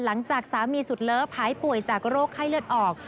หลังจากสามีสุดเลิฟหายป่วยจากโรคไข้เลือดออก